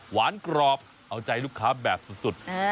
กรอบเอาใจลูกค้าแบบสุด